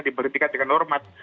diberitikan dengan hormat